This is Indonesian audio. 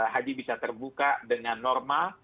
haji bisa terbuka dengan normal